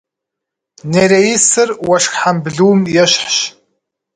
Нереисыр уэшх хьэмбылум ещхьщ.